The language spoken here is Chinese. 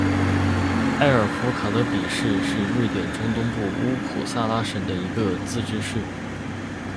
艾尔夫卡勒比市是瑞典中东部乌普萨拉省的一个自治市。